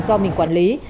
do mình quản lý